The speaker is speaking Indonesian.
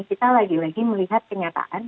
kita lagi lagi melihat kenyataan